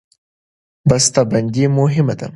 بسته بندي مهمه ده.